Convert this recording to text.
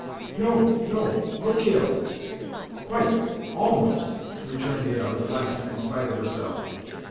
"No no no kill, quite almost," returned the other, laughing in spite of herself.